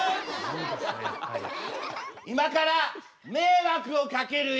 今から迷惑をかけるよ！